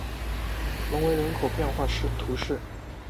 隆维人口变化图示